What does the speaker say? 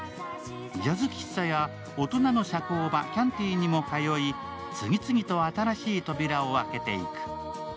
ジャズ喫茶や大人の社交場、キャンティにも通い、次々と新しい扉を開けていく。